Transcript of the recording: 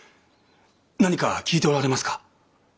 何か聞いておられますか？